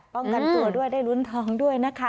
ป้องกันตัวด้วยได้ลุ้นทองด้วยนะคะ